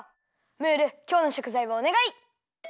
ムールきょうのしょくざいをおねがい！